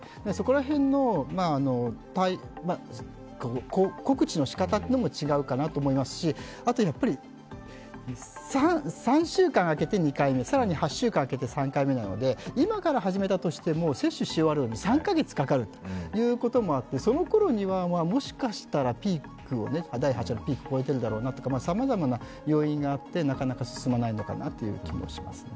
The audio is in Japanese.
ら辺の告知のしかたも違うかなと思いますし、３週間空けて２回目、更に８週間空けて３回目なので、今から始めたとしても接種し終わるのに３か月かかるということもあって、そのころにはもしかしたら第８波のピークは越えているだろうなとかさまざまな要因があって、なかなか進まないのかなという気がします。